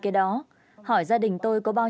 cái đó hỏi gia đình tôi có bao